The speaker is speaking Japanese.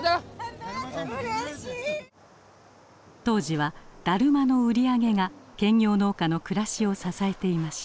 当時はだるまの売り上げが兼業農家の暮らしを支えていました。